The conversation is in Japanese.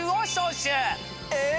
え！